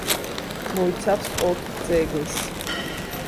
მოიცავს ოთხ ძეგლს.